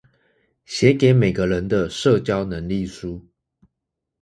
寫給每個人的社交能力書